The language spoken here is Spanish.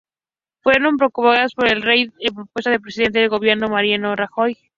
Fueron convocadas por el rey, a propuesta del presidente del Gobierno, Mariano Rajoy.